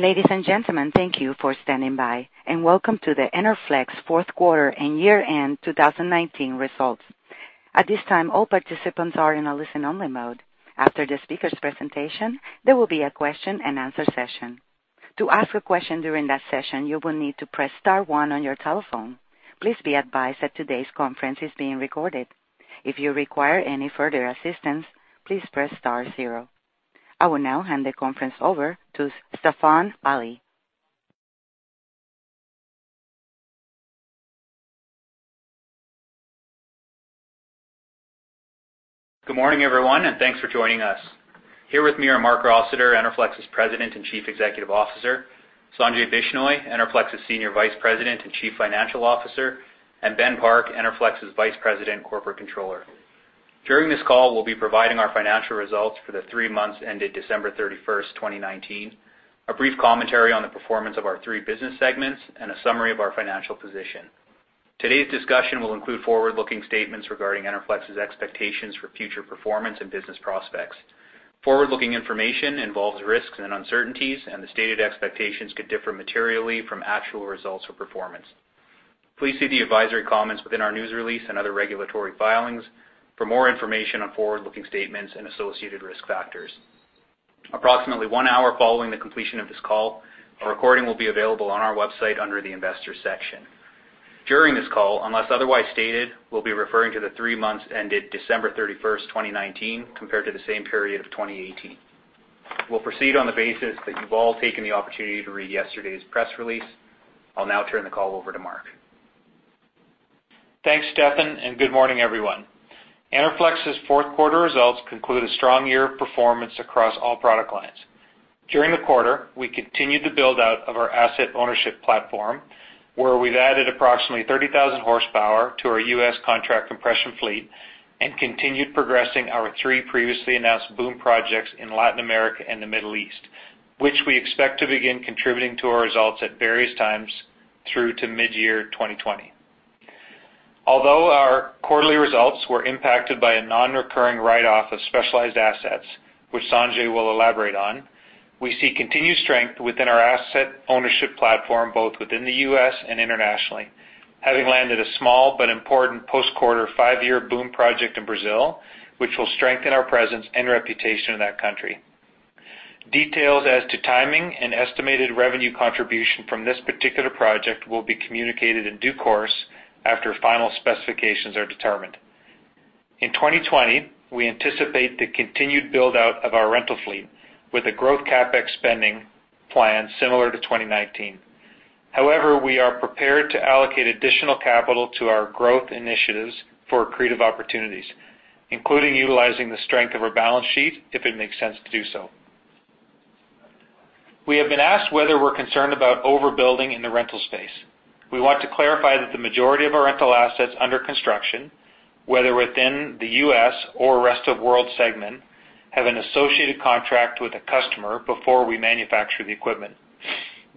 Ladies and gentlemen, thank you for standing by, and welcome to the Enerflex fourth quarter and year-end 2019 results. At this time, all participants are in a listen-only mode. After the speaker's presentation, there will be a question-and-answer session. To ask a question during that session, you will need to press star one on your telephone. Please be advised that today's conference is being recorded. If you require any further assistance, please press star zero. I will now hand the conference over to Stefan Ali. Good morning, everyone, and thanks for joining us. Here with me are Marc Rossiter, Enerflex's President and Chief Executive Officer, Sanjay Bishnoi, Enerflex's Senior Vice President and Chief Financial Officer, and Ben Park, Enerflex's Vice President, Corporate Controller. During this call, we'll be providing our financial results for the three months ended December 31st, 2019, a brief commentary on the performance of our three business segments, and a summary of our financial position. Today's discussion will include forward-looking statements regarding Enerflex's expectations for future performance and business prospects. Forward-looking information involves risks and uncertainties, and the stated expectations could differ materially from actual results or performance. Please see the advisory comments within our news release and other regulatory filings for more information on forward-looking statements and associated risk factors. Approximately one hour following the completion of this call, a recording will be available on our website under the investors section. During this call, unless otherwise stated, we'll be referring to the three months ended December 31st, 2019, compared to the same period of 2018. We'll proceed on the basis that you've all taken the opportunity to read yesterday's press release. I'll now turn the call over to Marc. Thanks, Stefan, and good morning, everyone. Enerflex's fourth quarter results conclude a strong year of performance across all product lines. During the quarter, we continued the build-out of our asset ownership platform, where we've added approximately 30,000 horsepower to our U.S. contract compression fleet and continued progressing our three previously announced BOOM projects in Latin America and the Middle East, which we expect to begin contributing to our results at various times through to mid-year 2020. Although our quarterly results were impacted by a non-recurring write-off of specialized assets, which Sanjay will elaborate on, we see continued strength within our asset ownership platform, both within the U.S. and internationally, having landed a small but important post-quarter five-year BOOM project in Brazil, which will strengthen our presence and reputation in that country. Details as to timing and estimated revenue contribution from this particular project will be communicated in due course after final specifications are determined. In 2020, we anticipate the continued build-out of our rental fleet with a growth CapEx spending plan similar to 2019. However, we are prepared to allocate additional capital to our growth initiatives for accretive opportunities, including utilizing the strength of our balance sheet if it makes sense to do so. We have been asked whether we're concerned about overbuilding in the rental space. We want to clarify that the majority of our rental assets under construction, whether within the U.S. or Rest of World segment, have an associated contract with a customer before we manufacture the equipment.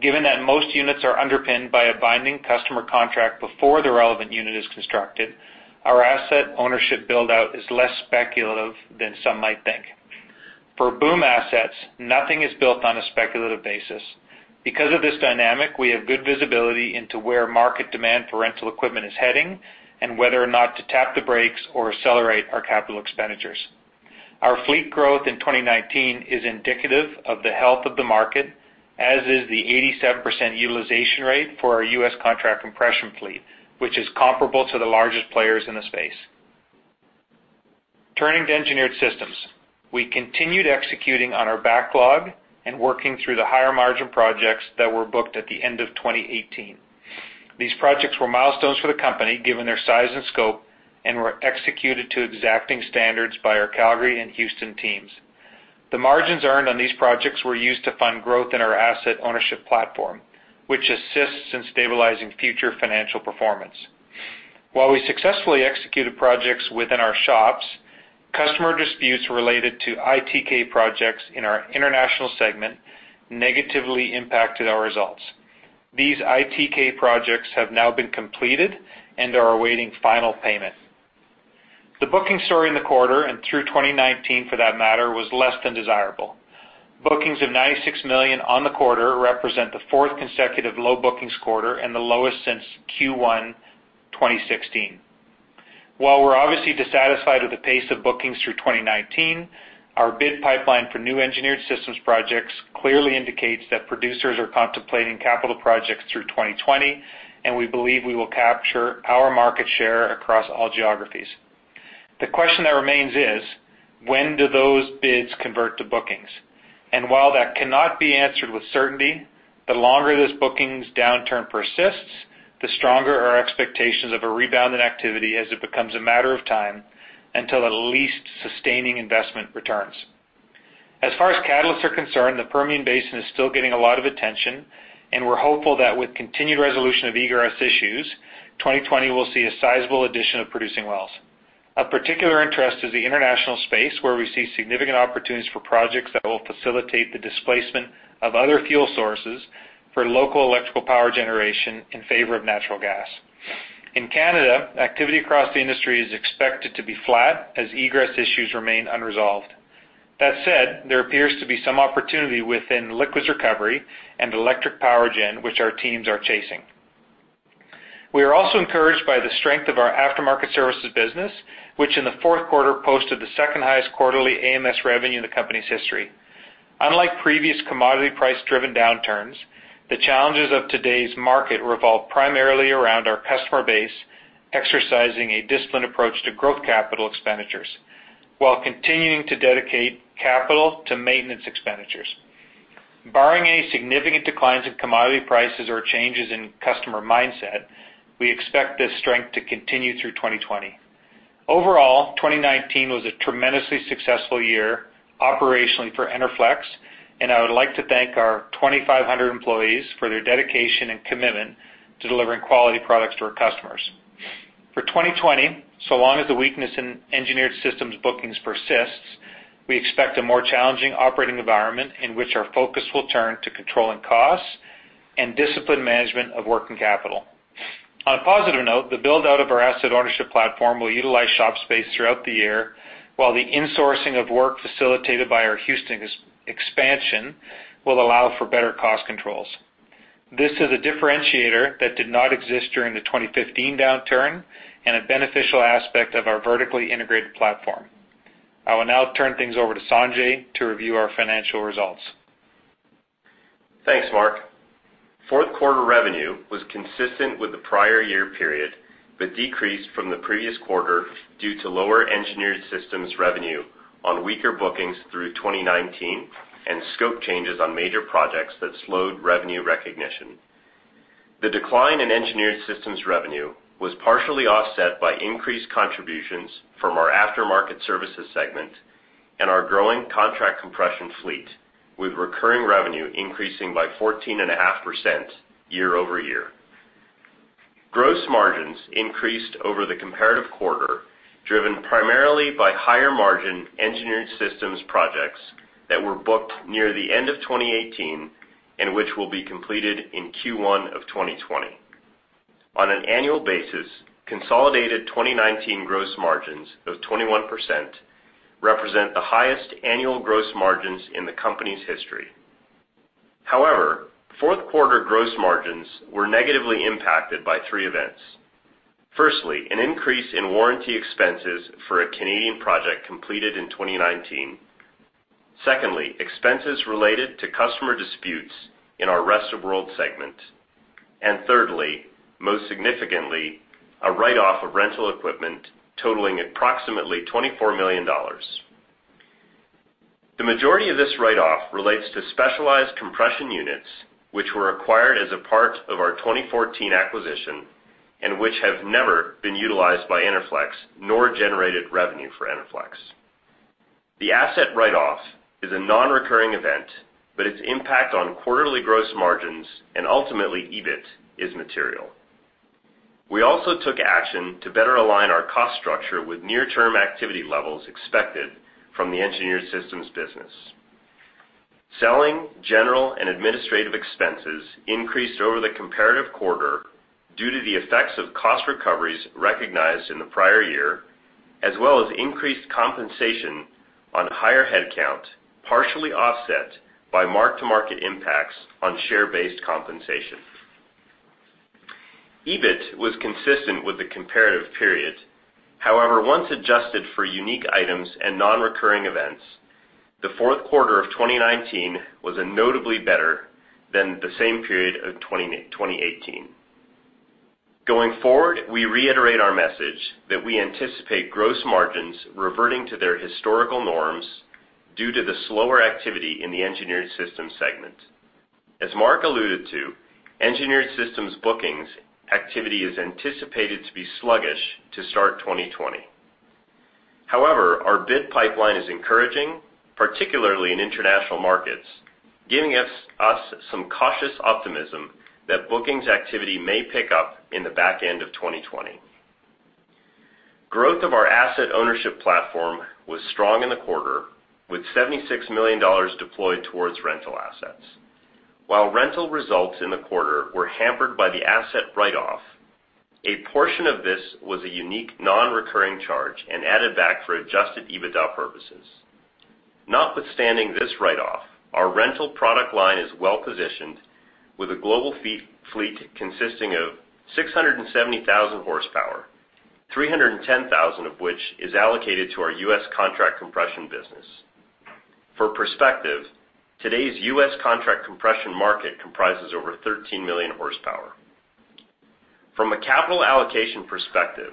Given that most units are underpinned by a binding customer contract before the relevant unit is constructed, our asset ownership build-out is less speculative than some might think. For BOOM assets, nothing is built on a speculative basis. Because of this dynamic, we have good visibility into where market demand for rental equipment is heading and whether or not to tap the brakes or accelerate our capital expenditures. Our fleet growth in 2019 is indicative of the health of the market, as is the 87% utilization rate for our U.S. contract compression fleet, which is comparable to the largest players in the space. Turning to Engineered Systems, we continued executing on our backlog and working through the higher margin projects that were booked at the end of 2018. These projects were milestones for the company given their size and scope and were executed to exacting standards by our Calgary and Houston teams. The margins earned on these projects were used to fund growth in our asset ownership platform, which assists in stabilizing future financial performance. While we successfully executed projects within our shops, customer disputes related to ITK projects in our international segment negatively impacted our results. These ITK projects have now been completed and are awaiting final payment. The booking story in the quarter and through 2019 for that matter, was less than desirable. Bookings of 96 million on the quarter represent the fourth consecutive low bookings quarter and the lowest since Q1 2016. While we're obviously dissatisfied with the pace of bookings through 2019, our bid pipeline for new Engineered Systems projects clearly indicates that producers are contemplating capital projects through 2020, and we believe we will capture our market share across all geographies. The question that remains is, when do those bids convert to bookings? While that cannot be answered with certainty, the longer this bookings downturn persists, the stronger our expectations of a rebound in activity as it becomes a matter of time until at least sustaining investment returns. As far as catalysts are concerned, the Permian Basin is still getting a lot of attention, and we're hopeful that with continued resolution of egress issues, 2020 will see a sizable addition of producing wells. Of particular interest is the international space, where we see significant opportunities for projects that will facilitate the displacement of other fuel sources for local electrical power generation in favor of natural gas. In Canada, activity across the industry is expected to be flat as egress issues remain unresolved. That said, there appears to be some opportunity within liquids recovery and electric power gen, which our teams are chasing. We are also encouraged by the strength of our After-Market Services business, which in the fourth quarter posted the second highest quarterly AMS revenue in the company's history. Unlike previous commodity price driven downturns, the challenges of today's market revolve primarily around our customer base, exercising a disciplined approach to growth capital expenditures, while continuing to dedicate capital to maintenance expenditures. Barring any significant declines in commodity prices or changes in customer mindset, we expect this strength to continue through 2020. Overall, 2019 was a tremendously successful year operationally for Enerflex, and I would like to thank our 2,500 employees for their dedication and commitment to delivering quality products to our customers. For 2020, so long as the weakness in Engineered Systems bookings persists, we expect a more challenging operating environment in which our focus will turn to controlling costs and disciplined management of working capital. On a positive note, the build-out of our asset ownership platform will utilize shop space throughout the year, while the insourcing of work facilitated by our Houston expansion will allow for better cost controls. This is a differentiator that did not exist during the 2015 downturn and a beneficial aspect of our vertically integrated platform. I will now turn things over to Sanjay to review our financial results. Thanks, Marc. Fourth quarter revenue was consistent with the prior year period, decreased from the previous quarter due to lower Engineered Systems revenue on weaker bookings through 2019 and scope changes on major projects that slowed revenue recognition. The decline in Engineered Systems revenue was partially offset by increased contributions from our After-Market Services segment and our growing contract compression fleet, with recurring revenue increasing by 14.5% year-over-year. Gross margins increased over the comparative quarter, driven primarily by higher margin Engineered Systems projects that were booked near the end of 2018 and which will be completed in Q1 of 2020. On an annual basis, consolidated 2019 gross margins of 21% represent the highest annual gross margins in the company's history. However, fourth quarter gross margins were negatively impacted by three events. Firstly, an increase in warranty expenses for a Canadian project completed in 2019. Secondly, expenses related to customer disputes in our Rest of World segment. Thirdly, most significantly, a write-off of rental equipment totaling approximately 24 million dollars. The majority of this write-off relates to specialized compression units, which were acquired as a part of our 2014 acquisition and which have never been utilized by Enerflex nor generated revenue for Enerflex. The asset write-off is a non-recurring event, but its impact on quarterly gross margins and ultimately EBIT is material. We also took action to better align our cost structure with near-term activity levels expected from the Engineered Systems business. Selling, general and administrative expenses increased over the comparative quarter due to the effects of cost recoveries recognized in the prior year, as well as increased compensation on higher headcount, partially offset by mark-to-market impacts on share-based compensation. EBIT was consistent with the comparative period. However, once adjusted for unique items and non-recurring events, the fourth quarter of 2019 was notably better than the same period of 2018. Going forward, we reiterate our message that we anticipate gross margins reverting to their historical norms due to the slower activity in the Engineered Systems segment. As Marc alluded to, Engineered Systems bookings activity is anticipated to be sluggish to start 2020. However, our bid pipeline is encouraging, particularly in international markets, giving us some cautious optimism that bookings activity may pick up in the back end of 2020. Growth of our asset ownership platform was strong in the quarter, with 76 million dollars deployed towards rental assets. While rental results in the quarter were hampered by the asset write-off, a portion of this was a unique non-recurring charge and added back for adjusted EBITDA purposes. Notwithstanding this write-off, our rental product line is well-positioned with a global fleet consisting of 670,000 hp, 310,000 of which is allocated to our U.S. contract compression business. For perspective, today's U.S. contract compression market comprises over 13 million horsepower. From a capital allocation perspective,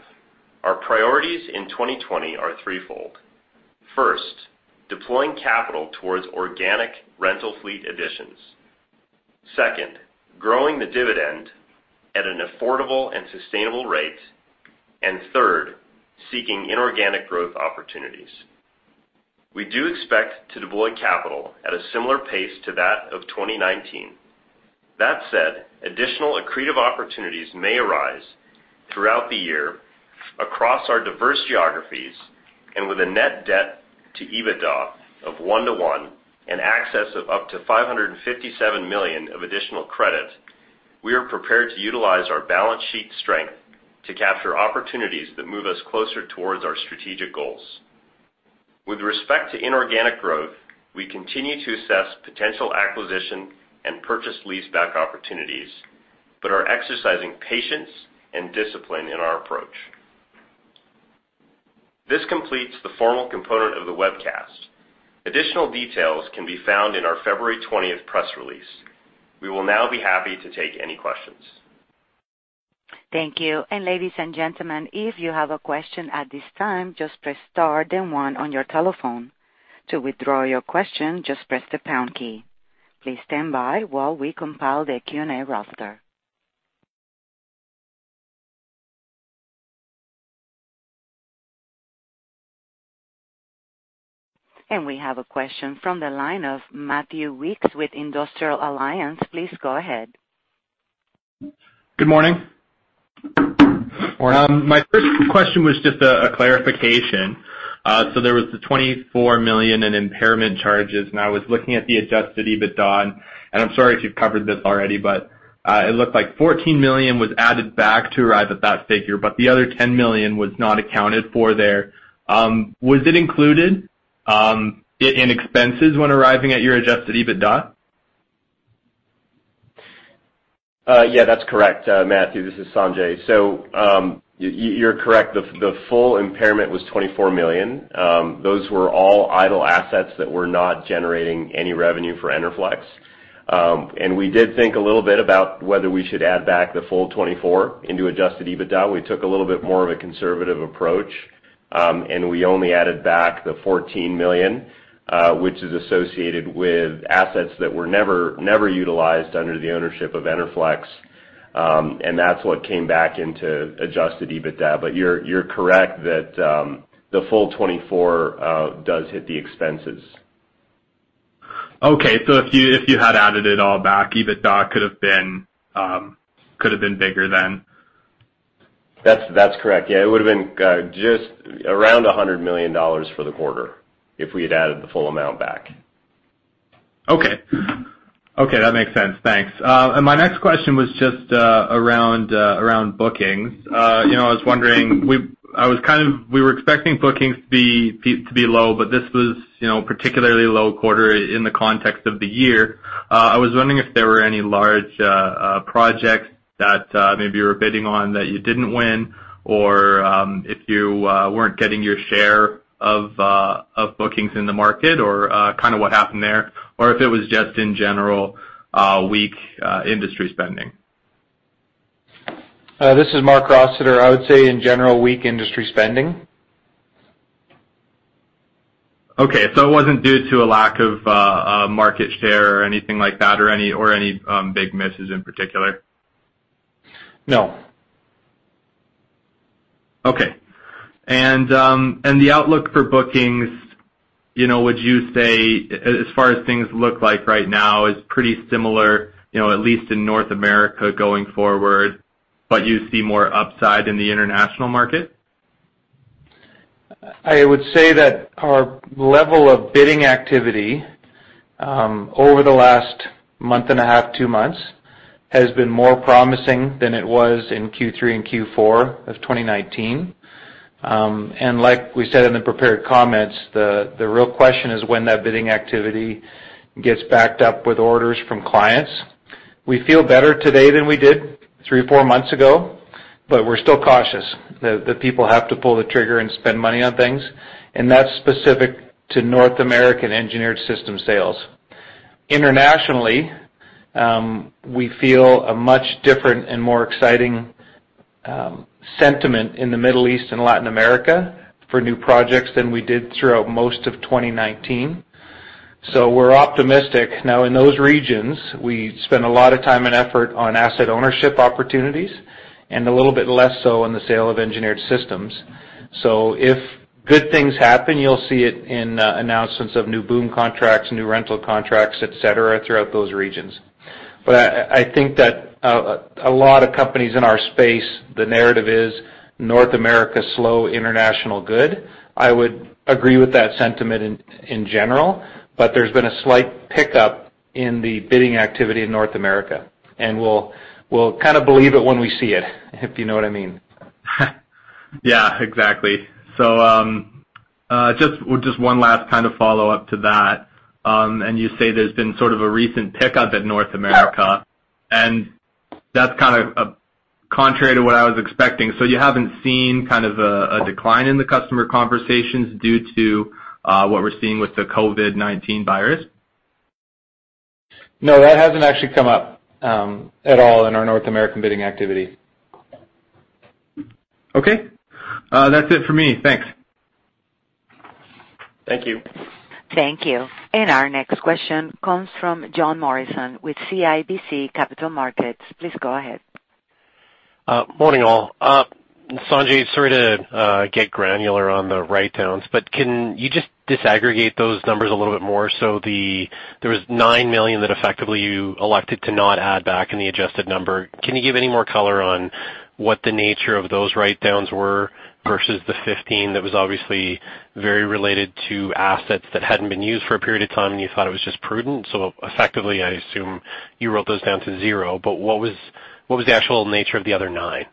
our priorities in 2020 are threefold. First, deploying capital towards organic rental fleet additions. Second, growing the dividend at an affordable and sustainable rate. Third, seeking inorganic growth opportunities. We do expect to deploy capital at a similar pace to that of 2019. That said, additional accretive opportunities may arise throughout the year. Across our diverse geographies, and with a net debt to EBITDA of one to one and access of up to 557 million of additional credit, we are prepared to utilize our balance sheet strength to capture opportunities that move us closer towards our strategic goals. With respect to inorganic growth, we continue to assess potential acquisition and purchase leaseback opportunities, but are exercising patience and discipline in our approach. This completes the formal component of the webcast. Additional details can be found in our February 20th press release. We will now be happy to take any questions. Thank you. Ladies and gentlemen, if you have a question at this time, just press star then one on your telephone. To withdraw your question, just press the pound key. Please stand by while we compile the Q&A roster. We have a question from the line of Matthew Weekes with Industrial Alliance. Please go ahead. Good morning. Morning. My first question was just a clarification. There was the 24 million in impairment charges, and I was looking at the adjusted EBITDA, and I'm sorry if you've covered this already, but it looked like 14 million was added back to arrive at that figure. The other 10 million was not accounted for there. Was it included in expenses when arriving at your adjusted EBITDA? Yeah, that's correct. Matthew, this is Sanjay. You're correct. The full impairment was 24 million. Those were all idle assets that were not generating any revenue for Enerflex. We did think a little bit about whether we should add back the full 24 million into adjusted EBITDA. We took a little bit more of a conservative approach, and we only added back the 14 million, which is associated with assets that were never utilized under the ownership of Enerflex. That's what came back into adjusted EBITDA. You're correct that the full 24 million does hit the expenses. Okay. If you had added it all back, EBITDA could have been bigger then. That's correct. Yeah, it would've been just around 100 million dollars for the quarter if we had added the full amount back. Okay. That makes sense. Thanks. My next question was just around bookings. I was wondering, we were expecting bookings to be low, but this was particularly low quarter in the context of the year. I was wondering if there were any large projects that maybe you were bidding on that you didn't win, or if you weren't getting your share of bookings in the market or kind of what happened there, or if it was just in general weak industry spending. This is Marc Rossiter. I would say in general, weak industry spending. Okay. It wasn't due to a lack of market share or anything like that, or any big misses in particular? No. Okay. The outlook for bookings, would you say as far as things look like right now, is pretty similar at least in North America going forward, but you see more upside in the international market? I would say that our level of bidding activity, over the last 1.5 months, two months, has been more promising than it was in Q3 and Q4 of 2019. Like we said in the prepared comments, the real question is when that bidding activity gets backed up with orders from clients. We feel better today than we did three or four months ago, but we're still cautious that people have to pull the trigger and spend money on things, and that's specific to North American Engineered Systems sales. Internationally, we feel a much different and more exciting sentiment in the Middle East and Latin America for new projects than we did throughout most of 2019, so we're optimistic. Now in those regions, we spend a lot of time and effort on asset ownership opportunities and a little bit less so on the sale of Engineered Systems. If good things happen, you'll see it in announcements of new BOOM contracts, new rental contracts, et cetera, throughout those regions. I think that a lot of companies in our space, the narrative is North America slow, international good. I would agree with that sentiment in general, but there's been a slight pickup in the bidding activity in North America, and we'll kind of believe it when we see it, if you know what I mean. Yeah, exactly. Just one last kind of follow-up to that. You say there's been sort of a recent pickup at North America, and that's kind of contrary to what I was expecting. You haven't seen kind of a decline in the customer conversations due to what we're seeing with the COVID-19 virus? No, that hasn't actually come up at all in our North American bidding activity. Okay. That's it for me. Thanks. Thank you. Thank you. Our next question comes from Jon Morrison with CIBC Capital Markets. Please go ahead. Morning, all. Sanjay, sorry to get granular on the write-downs, can you just disaggregate those numbers a little bit more? There was 9 million that effectively you elected to not add back in the adjusted number. Can you give any more color on what the nature of those write-downs were versus the 15 million that was obviously very related to assets that hadn't been used for a period of time, and you thought it was just prudent. Effectively, I assume you wrote those down to zero, what was the actual nature of the other 9 million?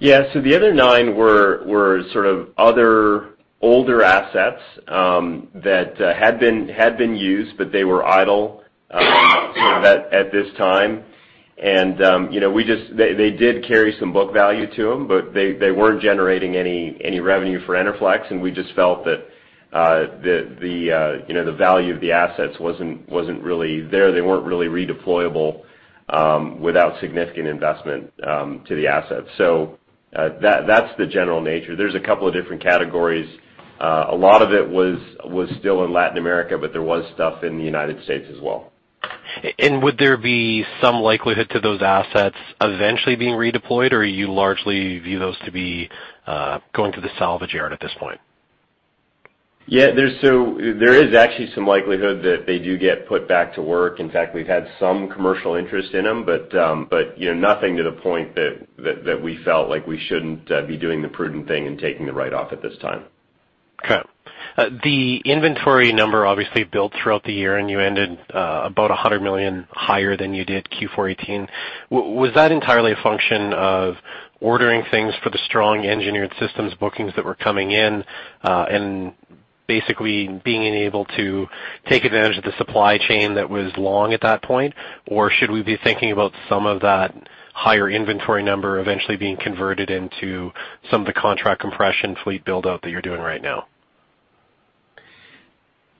Yeah. The other 9 million were sort of other older assets that had been used, but they were idle at this time. They did carry some book value to them, but they weren't generating any revenue for Enerflex, and we just felt that the value of the assets wasn't really there. They weren't really redeployable without significant investment to the assets. That's the general nature. There's a couple of different categories. A lot of it was still in Latin America, but there was stuff in the United States as well. Would there be some likelihood to those assets eventually being redeployed, or you largely view those to be going to the salvage yard at this point? Yeah. There is actually some likelihood that they do get put back to work. In fact, we've had some commercial interest in them, but nothing to the point that we felt like we shouldn't be doing the prudent thing and taking the write-off at this time. The inventory number obviously built throughout the year, and you ended about 100 million higher than you did Q4 2018. Was that entirely a function of ordering things for the strong Engineered Systems bookings that were coming in, and basically being unable to take advantage of the supply chain that was long at that point? Or should we be thinking about some of that higher inventory number eventually being converted into some of the contract compression fleet build-out that you're doing right now?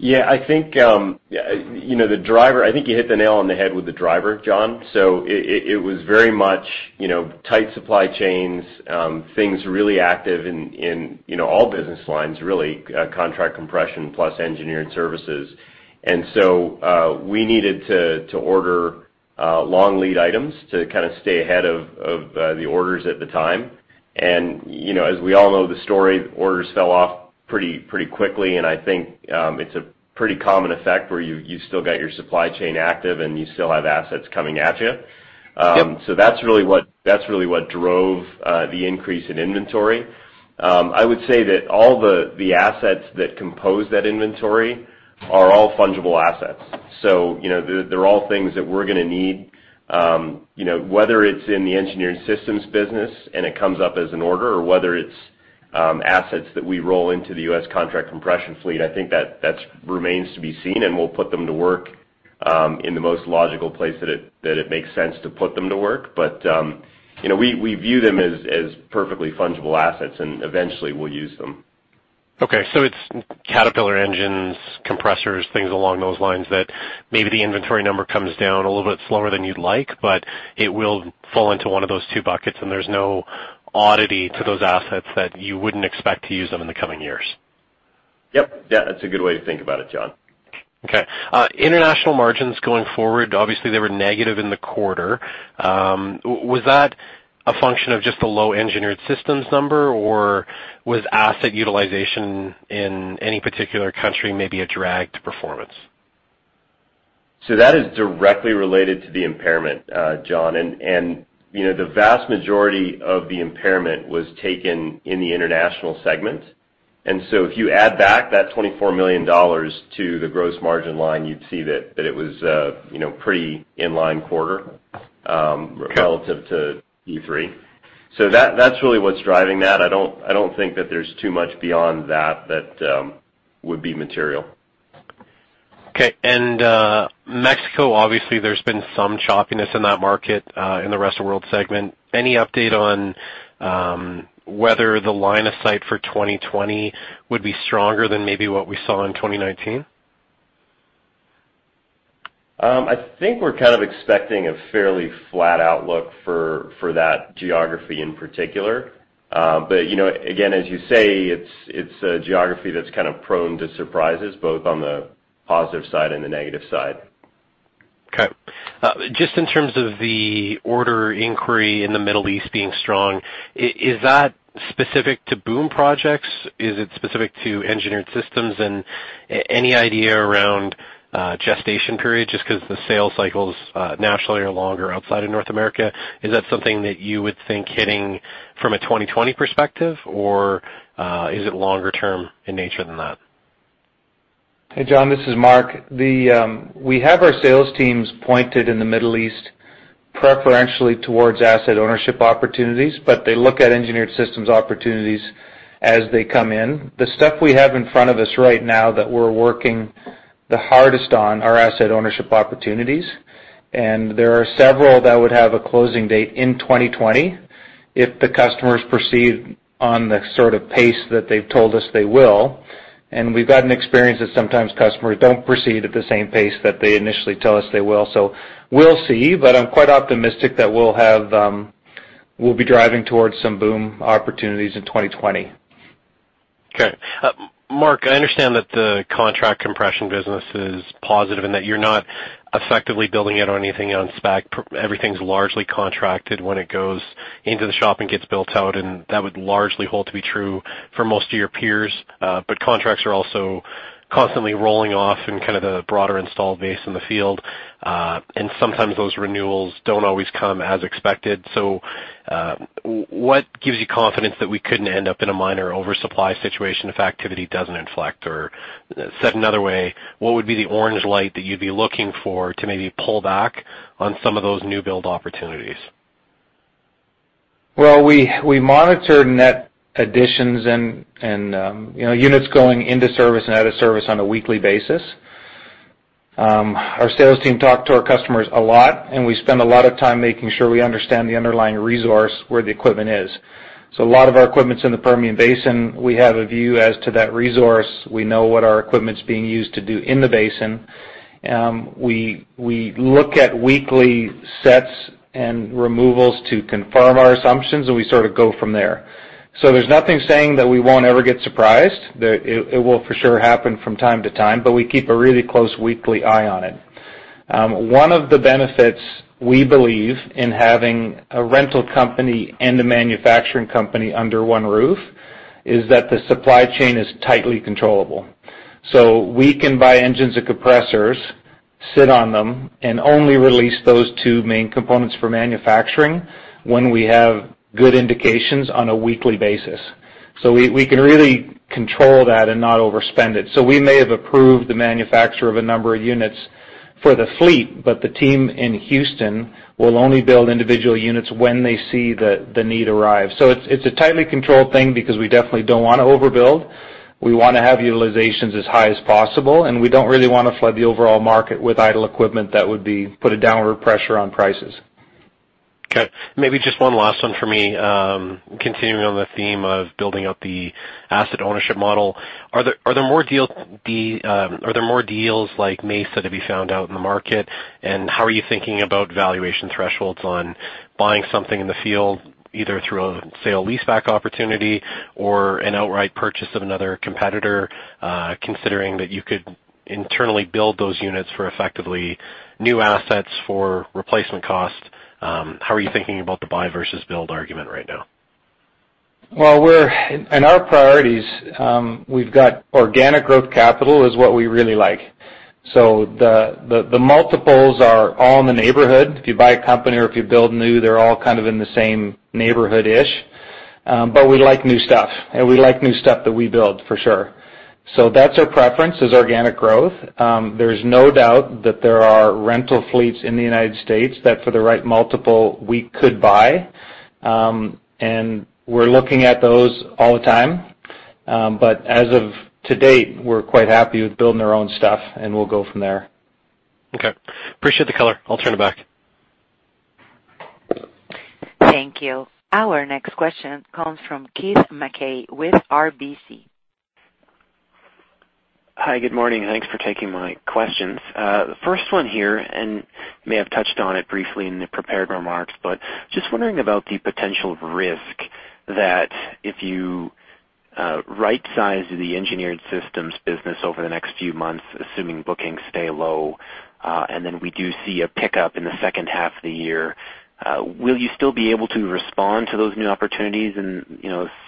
Yeah, I think you hit the nail on the head with the driver, Jon. It was very much tight supply chains, things really active in all business lines, really, contract compression plus Engineered Systems. We needed to order long lead items to kind of stay ahead of the orders at the time. As we all know the story, orders fell off pretty quickly, and I think it's a pretty common effect where you still got your supply chain active and you still have assets coming at you. Yep. That's really what drove the increase in inventory. I would say that all the assets that compose that inventory are all fungible assets. They're all things that we're going to need, whether it's in the Engineered Systems business and it comes up as an order or whether it's assets that we roll into the U.S. contract compression fleet. I think that remains to be seen, and we'll put them to work in the most logical place that it makes sense to put them to work. We view them as perfectly fungible assets and eventually we'll use them. Okay. It's Caterpillar engines, compressors, things along those lines that maybe the inventory number comes down a little bit slower than you'd like, but it will fall into one of those two buckets and there's no oddity to those assets that you wouldn't expect to use them in the coming years. Yep. That's a good way to think about it, Jon. Okay. International margins going forward, obviously they were negative in the quarter. Was that a function of just the low Engineered Systems number, or was asset utilization in any particular country maybe a drag to performance? That is directly related to the impairment, Jon. The vast majority of the impairment was taken in the international segment. If you add back that 24 million dollars to the gross margin line, you'd see that it was pretty in line. Okay. Quarter relative to Q3. That's really what's driving that. I don't think that there's too much beyond that that would be material. Okay. Mexico, obviously, there's been some choppiness in that market, in the Rest of World segment. Any update on whether the line of sight for 2020 would be stronger than maybe what we saw in 2019? I think we're kind of expecting a fairly flat outlook for that geography in particular. Again, as you say, it's a geography that's kind of prone to surprises, both on the positive side and the negative side. Just in terms of the order inquiry in the Middle East being strong, is that specific to BOOM projects? Is it specific to Engineered Systems? Any idea around gestation period, just because the sales cycles naturally are longer outside of North America. Is that something that you would think hitting from a 2020 perspective, or is it longer term in nature than that? Jon, this is Marc. We have our sales teams pointed in the Middle East preferentially towards asset ownership opportunities, but they look at Engineered Systems opportunities as they come in. The stuff we have in front of us right now that we're working the hardest on are asset ownership opportunities, and there are several that would have a closing date in 2020 if the customers proceed on the sort of pace that they've told us they will. We've gotten experience that sometimes customers don't proceed at the same pace that they initially tell us they will. We'll see, but I'm quite optimistic that we'll be driving towards some BOOM opportunities in 2020. Okay. Marc, I understand that the contract compression business is positive and that you're not effectively building it on anything on spec. Everything's largely contracted when it goes into the shop and gets built out, and that would largely hold to be true for most of your peers. Contracts are also constantly rolling off in kind of the broader installed base in the field. Sometimes those renewals don't always come as expected. What gives you confidence that we couldn't end up in a minor oversupply situation if activity doesn't inflect? Said another way, what would be the orange light that you'd be looking for to maybe pull back on some of those new build opportunities? We monitor net additions and units going into service and out of service on a weekly basis. Our sales team talk to our customers a lot, and we spend a lot of time making sure we understand the underlying resource where the equipment is. A lot of our equipment's in the Permian Basin. We have a view as to that resource. We know what our equipment's being used to do in the basin. We look at weekly sets and removals to confirm our assumptions, and we sort of go from there. There's nothing saying that we won't ever get surprised, that it will for sure happen from time to time, but we keep a really close weekly eye on it. One of the benefits we believe in having a rental company and a manufacturing company under one roof is that the supply chain is tightly controllable. We can buy engines and compressors, sit on them, and only release those two main components for manufacturing when we have good indications on a weekly basis. We can really control that and not overspend it. We may have approved the manufacture of a number of units for the fleet, but the team in Houston will only build individual units when they see the need arrive. It's a tightly controlled thing because we definitely don't want to overbuild. We want to have utilizations as high as possible, and we don't really want to flood the overall market with idle equipment that would put a downward pressure on prices. Okay, maybe just one last one for me. Continuing on the theme of building out the asset ownership model, are there more deals like Mesa to be found out in the market? How are you thinking about valuation thresholds on buying something in the field, either through a sale-lease back opportunity or an outright purchase of another competitor, considering that you could internally build those units for effectively new assets for replacement cost? How are you thinking about the buy versus build argument right now? In our priorities, we've got organic growth capital is what we really like. The multiples are all in the neighborhood. If you buy a company or if you build new, they're all kind of in the same neighborhood-ish. We like new stuff, and we like new stuff that we build, for sure. That's our preference is organic growth. There's no doubt that there are rental fleets in the United States that for the right multiple we could buy. We're looking at those all the time. As of to date, we're quite happy with building our own stuff, and we'll go from there. Okay. Appreciate the color. I'll turn it back. Thank you. Our next question comes from Keith Mackey with RBC. Hi, good morning. Thanks for taking my questions. The first one here, and you may have touched on it briefly in the prepared remarks, but just wondering about the potential risk that if you right size the Engineered Systems business over the next few months, assuming bookings stay low, and then we do see a pickup in the second half of the year, will you still be able to respond to those new opportunities and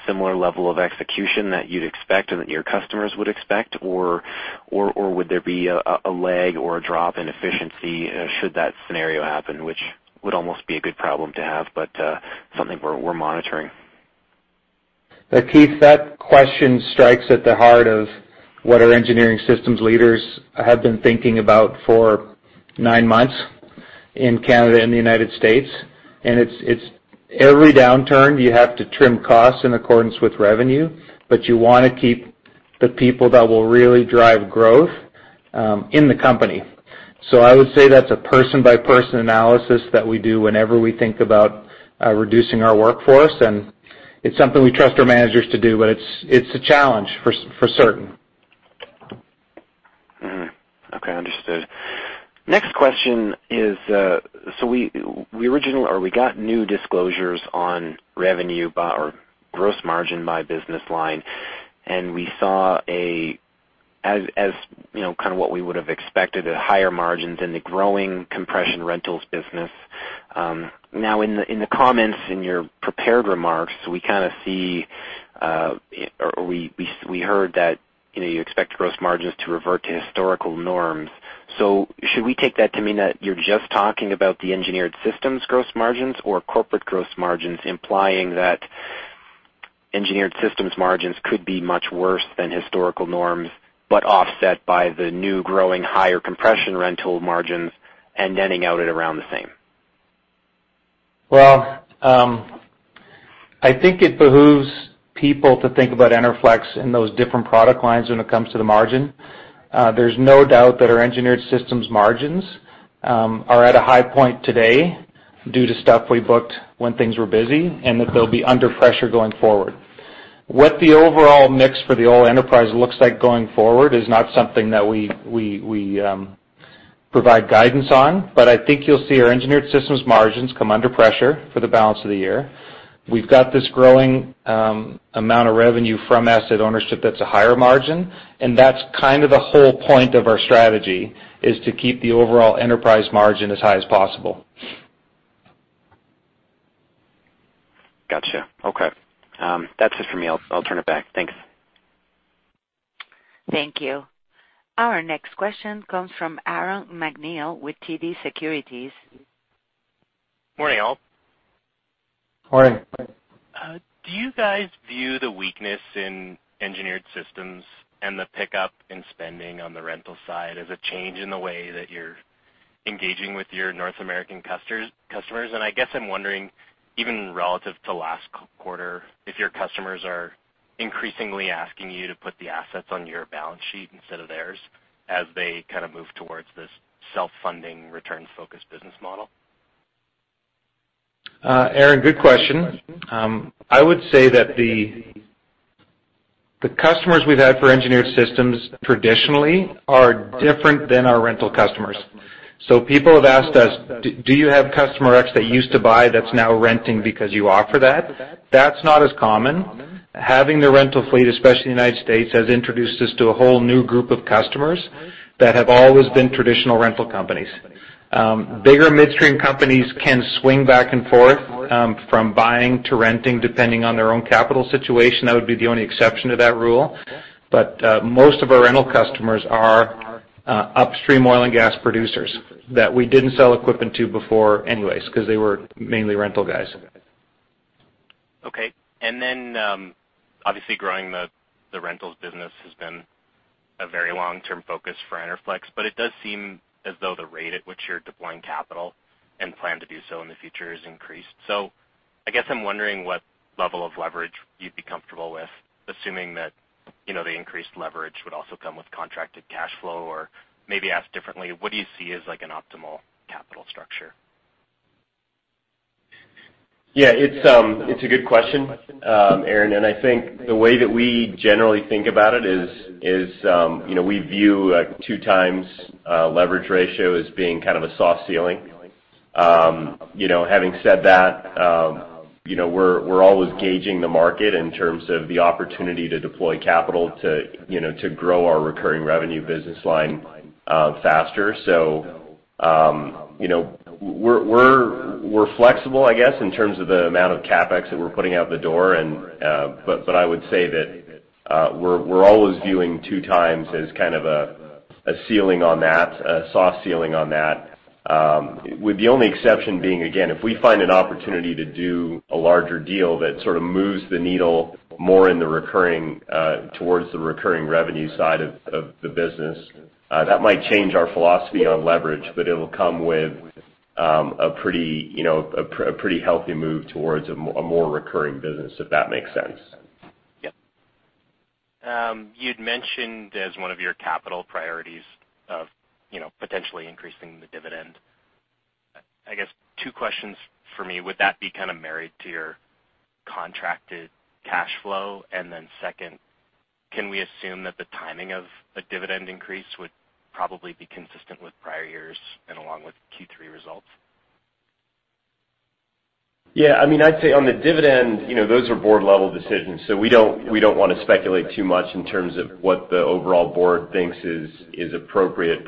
similar level of execution that you'd expect or that your customers would expect? Would there be a lag or a drop in efficiency should that scenario happen? Which would almost be a good problem to have, but something worth monitoring. Keith, that question strikes at the heart of what our Engineered Systems leaders have been thinking about for nine months in Canada and the United States. Every downturn, you have to trim costs in accordance with revenue, but you want to keep the people that will really drive growth in the company. I would say that's a person-by-person analysis that we do whenever we think about reducing our workforce, and it's something we trust our managers to do, but it's a challenge, for certain. Okay, understood. Next question is, we got new disclosures on revenue or gross margin by business line, and we saw, as kind of what we would have expected, a higher margins in the growing compression rentals business. Now, in the comments in your prepared remarks, we kind of see, or we heard that you expect gross margins to revert to historical norms. Should we take that to mean that you're just talking about the Engineered Systems gross margins or corporate gross margins, implying that Engineered Systems margins could be much worse than historical norms, but offset by the new growing higher compression rental margins and netting out at around the same? Well, I think it behooves people to think about Enerflex and those different product lines when it comes to the margin. There's no doubt that our Engineered Systems margins are at a high point today due to stuff we booked when things were busy and that they'll be under pressure going forward. What the overall mix for the old enterprise looks like going forward is not something that we provide guidance on. I think you'll see our Engineered Systems margins come under pressure for the balance of the year. We've got this growing amount of revenue from asset ownership that's a higher margin, and that's kind of the whole point of our strategy, is to keep the overall enterprise margin as high as possible. Gotcha. Okay. That's it for me. I'll turn it back. Thanks. Thank you. Our next question comes from Aaron MacNeil with TD Securities. Morning, all. Morning. Do you guys view the weakness in Engineered Systems and the pickup in spending on the rental side as a change in the way that you're engaging with your North American customers? I guess I'm wondering, even relative to last quarter, if your customers are increasingly asking you to put the assets on your balance sheet instead of theirs as they move towards this self-funding returns-focused business model. Aaron, good question. I would say that the customers we've had for Engineered Systems traditionally are different than our rental customers. People have asked us, "Do you have customer X that used to buy that's now renting because you offer that?" That's not as common. Having the rental fleet, especially in the United States, has introduced us to a whole new group of customers that have always been traditional rental companies. Bigger midstream companies can swing back and forth from buying to renting, depending on their own capital situation. That would be the only exception to that rule. Most of our rental customers are upstream oil and gas producers that we didn't sell equipment to before anyways because they were mainly rental guys. Okay. Obviously growing the rentals business has been a very long-term focus for Enerflex, but it does seem as though the rate at which you're deploying capital and plan to do so in the future has increased. I guess I'm wondering what level of leverage you'd be comfortable with, assuming that the increased leverage would also come with contracted cash flow or maybe asked differently, what do you see as an optimal capital structure? Yeah. It's a good question, Aaron, and I think the way that we generally think about it is we view 2x leverage ratio as being a soft ceiling. Having said that, we're always gauging the market in terms of the opportunity to deploy capital to grow our recurring revenue business line faster. We're flexible, I guess, in terms of the amount of CapEx that we're putting out the door, but I would say that we're always viewing 2x as a soft ceiling on that with the only exception being, again, if we find an opportunity to do a larger deal that moves the needle more towards the recurring revenue side of the business. That might change our philosophy on leverage, but it'll come with a pretty healthy move towards a more recurring business, if that makes sense. Yep. You'd mentioned as one of your capital priorities of potentially increasing the dividend. I guess two questions for me. Would that be married to your contracted cash flow? Second, can we assume that the timing of a dividend increase would probably be consistent with prior years and along with Q3 results? Yeah. I'd say on the dividend, those are board-level decisions. We don't want to speculate too much in terms of what the overall board thinks is appropriate.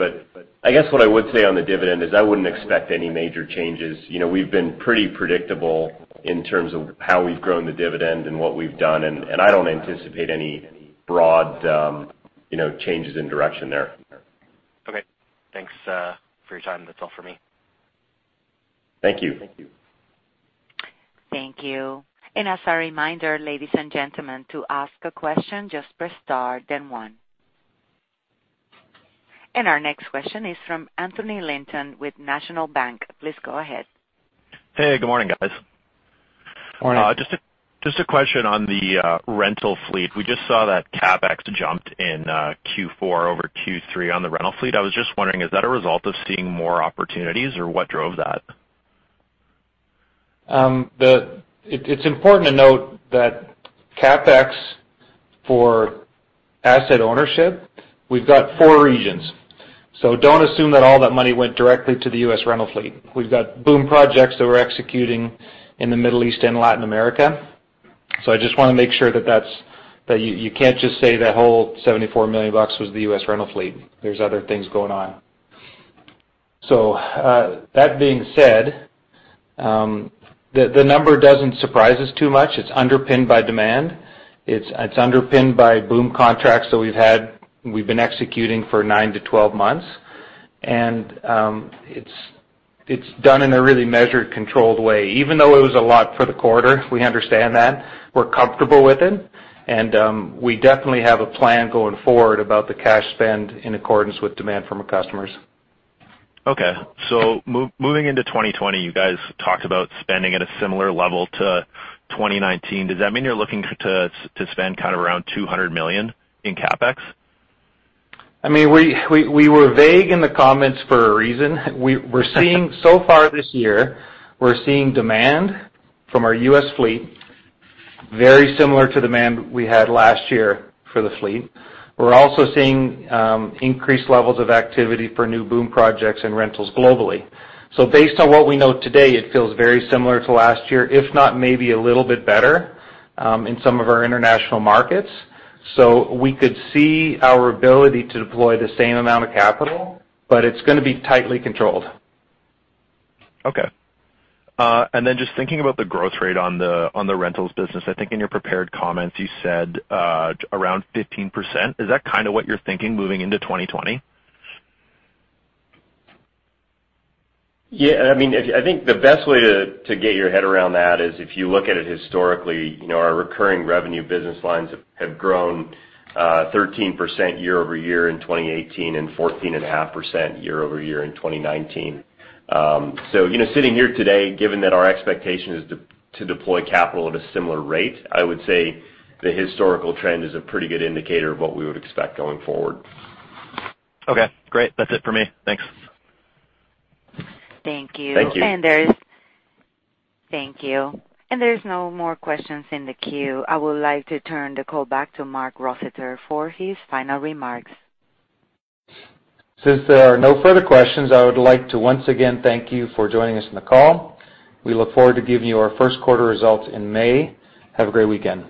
I guess what I would say on the dividend is I wouldn't expect any major changes. We've been pretty predictable in terms of how we've grown the dividend and what we've done, and I don't anticipate any broad changes in direction there. Okay. Thanks for your time. That's all for me. Thank you. Thank you. As a reminder, ladies and gentlemen, to ask a question, just press star then one. Our next question is from Anthony Linton with National Bank. Please go ahead. Hey, good morning, guys. Morning. Just a question on the rental fleet. We just saw that CapEx jumped in Q4 over Q3 on the rental fleet. I was just wondering, is that a result of seeing more opportunities, or what drove that? It's important to note that CapEx for asset ownership, we've got four regions. Don't assume that all that money went directly to the U.S. rental fleet. We've got BOOM projects that we're executing in the Middle East and Latin America. I just want to make sure that you can't just say that whole 74 million bucks was the U.S. rental fleet. There's other things going on. That being said, the number doesn't surprise us too much. It's underpinned by demand. It's underpinned by BOOM contracts that we've been executing for 9-12 months. It's done in a really measured, controlled way. Even though it was a lot for the quarter, we understand that. We're comfortable with it, and we definitely have a plan going forward about the cash spend in accordance with demand from our customers. Okay. Moving into 2020, you guys talked about spending at a similar level to 2019. Does that mean you're looking to spend around 200 million in CapEx? We were vague in the comments for a reason. Far this year, we're seeing demand from our U.S. fleet, very similar to demand we had last year for the fleet. We're also seeing increased levels of activity for new BOOM projects and rentals globally. Based on what we know today, it feels very similar to last year, if not maybe a little bit better in some of our international markets. We could see our ability to deploy the same amount of capital, but it's going to be tightly controlled. Okay. Just thinking about the growth rate on the rentals business, I think in your prepared comments, you said around 15%. Is that what you're thinking moving into 2020? Yeah. I think the best way to get your head around that is if you look at it historically, our recurring revenue business lines have grown 13% year-over-year in 2018 and 14.5% year-over-year in 2019. Sitting here today, given that our expectation is to deploy capital at a similar rate, I would say the historical trend is a pretty good indicator of what we would expect going forward. Okay, great. That's it for me. Thanks. Thank you. Thank you. Thank you. There's no more questions in the queue. I would like to turn the call back to Marc Rossiter for his final remarks. Since there are no further questions, I would like to once again thank you for joining us on the call. We look forward to giving you our first quarter results in May. Have a great weekend.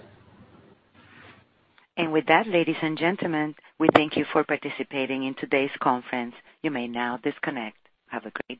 With that, ladies and gentlemen, we thank you for participating in today's conference. You may now disconnect. Have a great day.